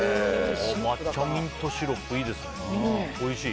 抹茶ミントシロップいいですねおいしい。